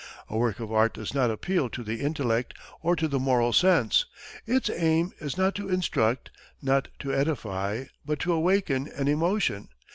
A work of art does not appeal to the intellect or to the moral sense. Its aim is not to instruct, not to edify, but to awaken an emotion.